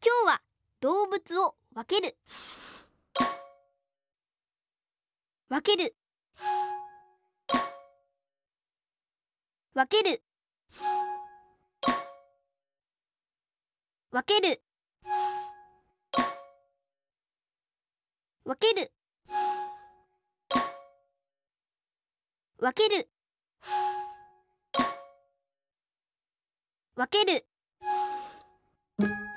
きょうはどうぶつをわけるわけるわけるわけるわけるわけるわける